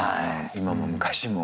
今も昔も。